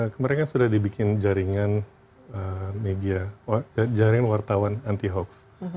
kemarin kan sudah dibikin jaringan media jaringan wartawan anti hoax